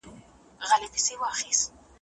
اوازه ده د انارو او اوښانو